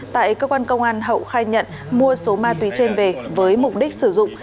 tại cơ quan công an hậu khai nhận mua số ma túy trên về với mục đích sử dụng